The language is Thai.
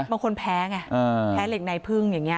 บางคนแพ้ไงแพ้เหล็กในพึ่งอย่างนี้